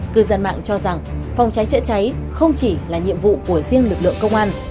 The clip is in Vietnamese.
cư dân mạng cho rằng phòng cháy chữa cháy không chỉ là nhiệm vụ của riêng lực lượng công an